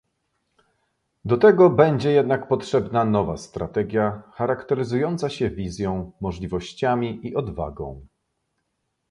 Do tego będzie jednak potrzebna nowa strategia charakteryzująca się wizją, możliwościami i odwagą